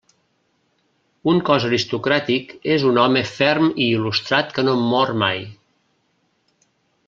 Un cos aristocràtic és un home ferm i il·lustrat que no mor mai.